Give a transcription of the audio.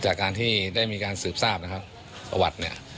จากการที่ได้มีการสืบทราบนะครับประวัติเนี่ย